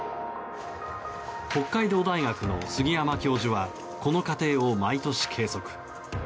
北海道大学の杉山教授はこの過程を毎年計測。